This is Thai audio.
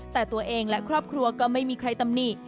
แต่ตัวเองและครอบครัวก็ไม่มีใครตำหนิ